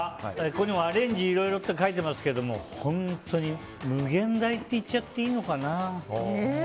ここにもアレンジいろいろって書いてありますけど本当に無限大って言っちゃっていいのかな。